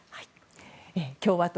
共和党